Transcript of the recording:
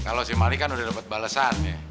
kalau si mali kan udah dapet balesan